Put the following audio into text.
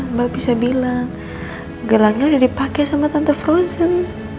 mbak bisa bilang gelangnya udah dipakai sama tante frozen